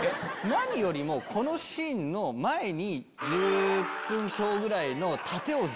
何よりもこのシーンの前に。